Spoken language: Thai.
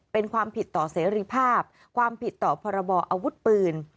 เป็นความผิดต่อเสรีภาพความผิดต่อพรบออาวุธปืน